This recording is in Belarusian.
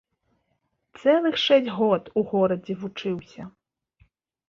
Цэлых шэсць год у горадзе вучыўся.